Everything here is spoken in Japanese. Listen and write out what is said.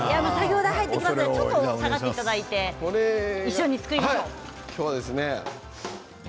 作業台が入ってきますのでちょっと下がってもらって一緒に作りましょう。